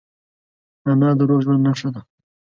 انار د روغ ژوند نښه ده.